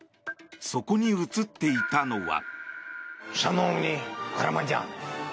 そこに映っていたのは。